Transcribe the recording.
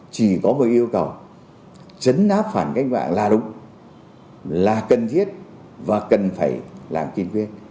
chỉ có một yêu cầu chấn áp phản cách mạng là đúng là cần thiết và cần phải làm kiên quyết